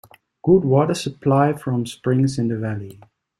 Good water supply from springs in the valley.